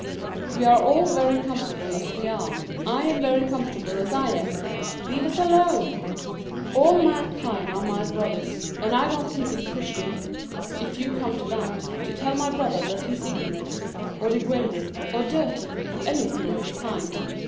We are all very comfortable as we are— 7am very comfortable as I am — leave us alone! All mankind are my brothers, and I don't think it Chris tian — if you come to that — to tell my brother that he is igno rant, or degraded, or dirty, or anything of the kind.